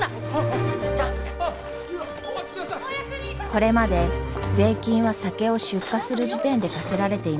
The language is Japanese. これまで税金は酒を出荷する時点で課せられていました。